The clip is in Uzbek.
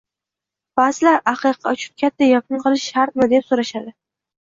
Ba’zilar: “Aqiqa uchun katta yig‘in qilish shartmi?” deb so‘rashadi.